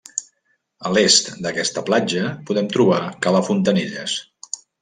A l'est d'aquesta platja podem trobar Cala Fontanelles.